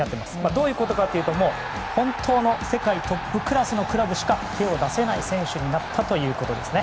どういうことかというと本当の世界トップクラスのクラブしか手を出せない選手になったということですね。